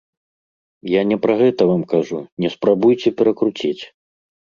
Я не пра гэта вам кажу, не спрабуйце перакруціць!